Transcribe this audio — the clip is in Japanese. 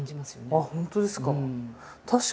あっ本当ですか。